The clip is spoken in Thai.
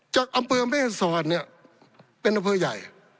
จากอำเภอแม่สอดเนี่ยเป็นอำเภอใหญ่